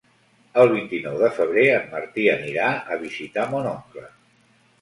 El vint-i-nou de febrer en Martí anirà a visitar mon oncle.